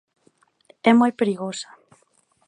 É moi perigosa.